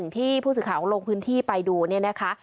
ที่ผู้ศึกษาของโลกพื้นที่ไปดูเนี่ยนะคะ